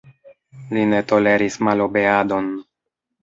Li ne toleris malobeadon.